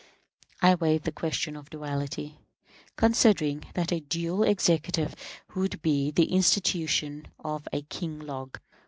I waive the question of duality, considering that a dual Executive would be the institution of a King Log.